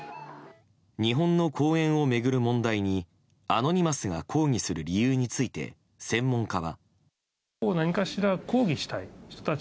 日本の公園を巡る問題にアノニマスが抗議する理由について専門家は。